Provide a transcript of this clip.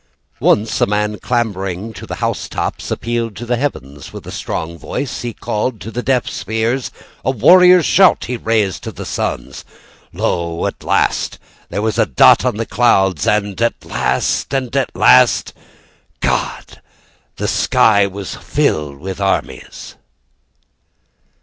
Once a man clambering to the housetops Appealed to the heavens. With a strong voice he called to the deaf spheres; A warrior's shout he raised to the suns. Lo, at last, there was a dot on the clouds, And at last and at last God the sky was filled with armies.